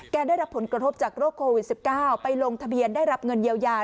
ได้รับผลกระทบจากโรคโควิด๑๙ไปลงทะเบียนได้รับเงินเยียวยา